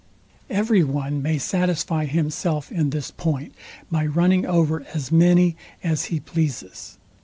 Every one may satisfy himself in this point by running over as many as he pleases.